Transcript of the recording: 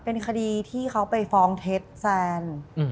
เป็นคดีที่เขาไปฟ้องเท็จแซน